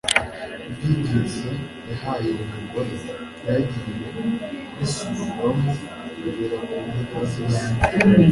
Ibyigisho yahaye uwo mugore, byagiye bisubirwamo bigera ku mpera z'isi.